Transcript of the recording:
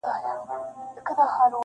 ټول مېږي وه خو هر ګوره سره بېل وه!.